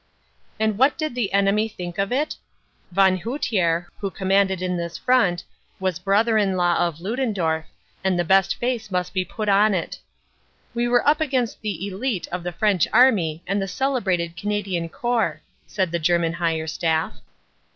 And what did the enemy think of it? Von Hutier, who LESSONS OF THE BATTLE 95 commanded in this front, was brother in law of Ludendorff, and the best face must be put on it. "We were up against the elite of the French Army and the celebrated Canadian Corps," said the German Higher Staff.